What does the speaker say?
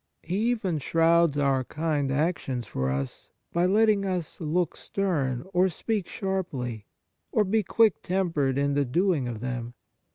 He aven shrouds our kind actions for us by letting us look stern or speak sharply, or be quick tempered in the doing of them.